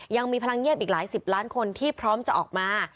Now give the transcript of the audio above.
ยังมีพลังเงียบอีกหลายสิบล้านคนที่พร้อมจะออกมา